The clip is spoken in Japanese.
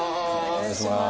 お願いしまーす！